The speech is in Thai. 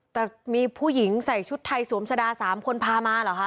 แต่มีผู้หญิงใส่ชุดไทยสวมชะดา๓คนพามาเหรอคะ